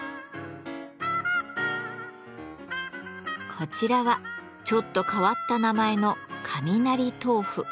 こちらはちょっと変わった名前の「雷豆腐」。